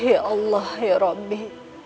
ya allah ya rabbi